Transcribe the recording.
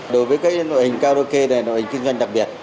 đối với các nội hình karaoke này là nội hình kinh doanh đặc biệt